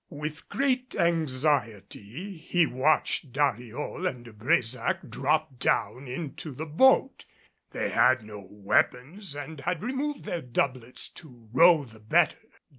With great anxiety he watched Dariol and De Brésac drop down into the boat. They had no weapons and had removed their doublets to row the better.